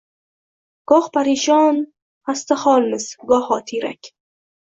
Goh parishon xastaholmiz, goho tiyrak.